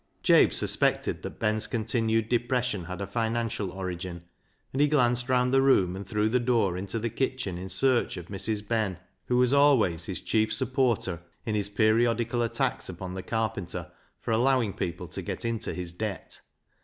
Jabe suspected that Ben's continued depression had a financial origin, and he glanced round the room and through the door into the kitchen in LEAH'S LOVER 65 search of Mrs. Ben, who was always his chief supporter in his periodical attacks upon the carpenter for allowing people to get into his debt.